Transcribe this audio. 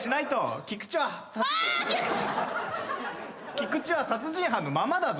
菊池は殺人犯のままだぞ。